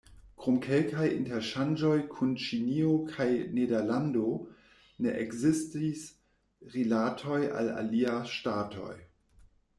Krom kelkaj interŝanĝoj kun Ĉinio kaj Nederlando ne ekzistis rilatoj al aliaj ŝtatoj.